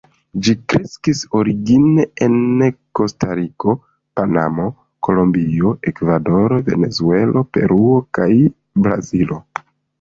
Ĝi kreskis origine en Kostariko, Panamo, Kolombio, Ekvadoro, Venezuelo, Peruo kaj Brazilo.